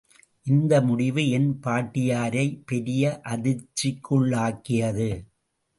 இந்த முடிவு என் பாட்டியாரை பெரிய அதிர்ச்சிக்குள்ளாக்கியது.